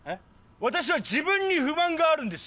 私は自分に不満があるんですえっ？